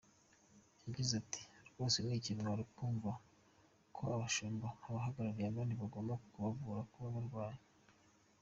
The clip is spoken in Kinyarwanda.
Yagize ati “Rwose ni ikimwaro kumva ko abashumba, abahagarariye abandi bagomba kubavura baba barwaye.